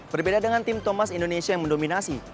berbeda dengan tim thomas indonesia yang mendominasi